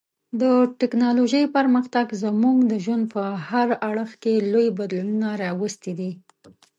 د ټکنالوژۍ پرمختګ زموږ د ژوند په هر اړخ کې لوی بدلونونه راوستي دي.